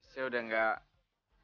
saya udah nggak